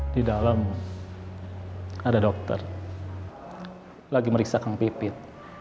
di dalam ada dokter lagi meriksa kang pipit